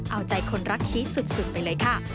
เอาใจคนรักชีสสุดไปเลยค่ะ